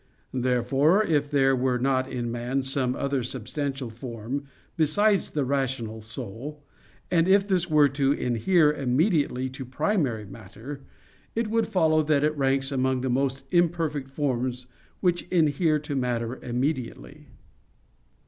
Therefore if there were not in man some other substantial form besides the rational soul, and if this were to inhere immediately to primary matter; it would follow that it ranks among the most imperfect forms which inhere to matter immediately.